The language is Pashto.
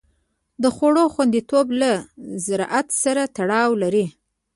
د خوړو خوندیتوب له زراعت سره تړاو لري.